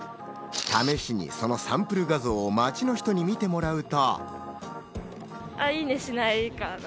試しに、そのサンプル画像を街の人に見てもらうと。